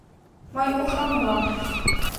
Мый ушан улам.